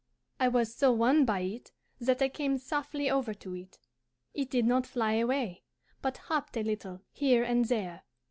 I was so won by it that I came softly over to it. It did not fly away, but hopped a little here and there.